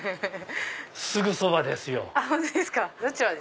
すぐそばですよ。